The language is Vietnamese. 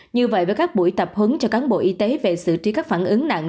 như vậy với các buổi tập hứng cho cán bộ y tế về xử trí các phản ứng nặng